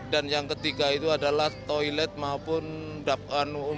dan yang ketiga itu adalah toilet maupun dapur umum